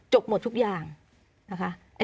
หมดทุกอย่างนะคะ